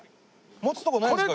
持つとこないんですか？